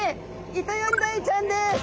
イトヨリダイちゃんです。